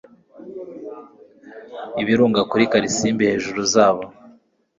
ibirunga kuri karisimbi hejuru zabo